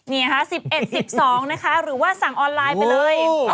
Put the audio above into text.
นี่ค่ะ๑๑๑๒นะคะหรือว่าสั่งออนไลน์ไปเลย